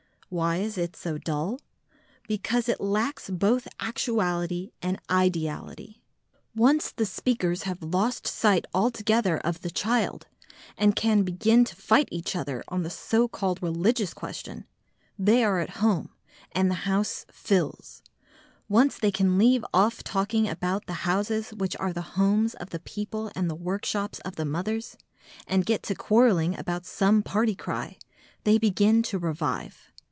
Why is it so dull? Because it lacks both actuality and ideality. Once the speakers have lost sight altogether of the child, and can begin to fight each other on the so called religious question, they are at home, and the House fills; once they can leave off talking about the houses which are the homes of the people and the workshops of the mothers, and get to quarrelling about some party cry, they begin to revive.